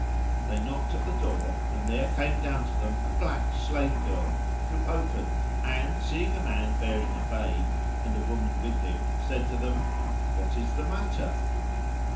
They knocked at the door, and there came down to them a black slave girl who opened and, seeing a man bearing a babe, and a woman with him, said to them, "What is the matter?"